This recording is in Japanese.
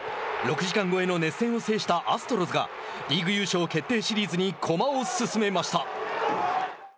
６時間超えの熱戦を制したアストロズがリーグ優勝決定シリーズに駒を進めました。